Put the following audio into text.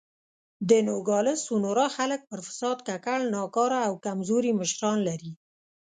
د نوګالس سونورا خلک پر فساد ککړ، ناکاره او کمزوري مشران لري.